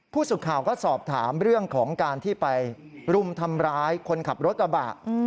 สุดข่าวก็สอบถามเรื่องของการที่ไปรุมทำร้ายคนขับรถกระบะ